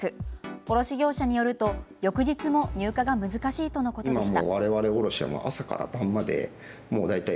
卸業者によると翌日も入荷できないとのことでした。